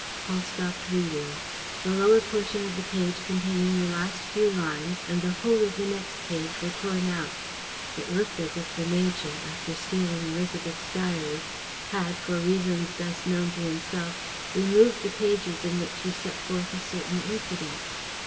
..." Paul stopped reading. The lower portion of the page containing the last few lines and the whole of the next page were torn out. It looked as if the major, after stealing Élisabeth's diary, had, for reasons best known to himself, removed the pages in which she set forth a certain incident.